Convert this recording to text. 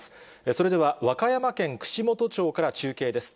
それでは和歌山県串本町から中継です。